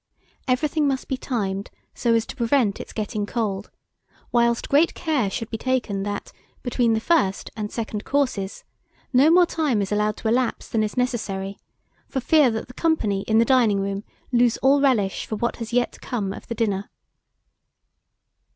Everything must be timed so as to prevent its getting cold, whilst great care should be taken, that, between the first and second courses, no more time is allowed to elapse than is necessary, for fear that the company in the dining room lose all relish for what has yet to come of the dinner.